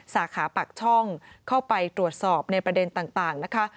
สาขาปากช่องเข้าไปตรวจสอบในประเด็นต่างนะคะ